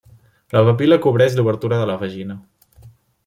La papil·la cobreix l'obertura de la vagina.